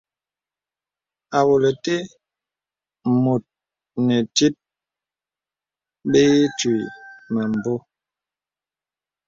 Awòlə̀ te mùt nè tit bə itwǐ mə̀mbō.